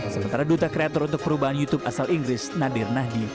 sementara duta kreator untuk perubahan youtube asal inggris nadir nahdi